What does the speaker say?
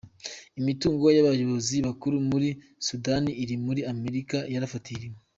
Imitungo y’abayobozi bakuru muri Sudani iri muri Amerika yarafatiriwe;.